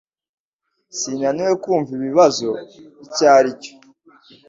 Sinaniwe kumva ikibazo icyo aricyo.